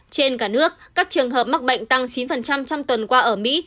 trên cả nước các trường hợp mắc bệnh tăng chín trong tuần qua ở mỹ